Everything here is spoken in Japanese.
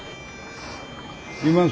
いますよ